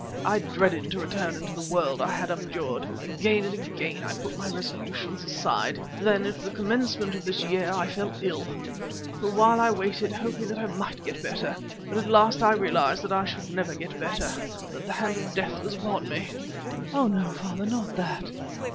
I dreaded to return into the world I had abjured. Again and again I put my resolutions aside. Then at the commencement of this year I fell ill. For a while I waited, hoping that I might get better, but at last I realized that I should never get better, that the hand of Death was upon me." "Ah, no, father, not that!"